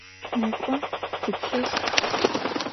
Nêk'o tıplheşt!